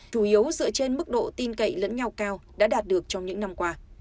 chủ yếu dựa trên mức độ tin cậy lẫn nhau cao đã đạt được trong những năm qua